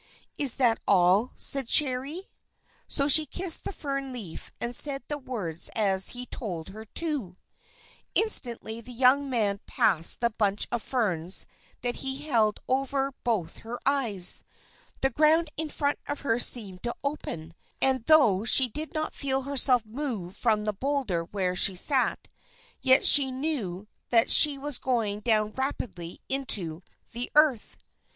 _'" "Is that all!" said Cherry. So she kissed the fern leaf, and said the words as he told her to. Instantly the young man passed the bunch of ferns that he held over both her eyes. The ground in front of her seemed to open; and, though she did not feel herself move from the boulder where she sat, yet she knew that she was going down rapidly into the earth.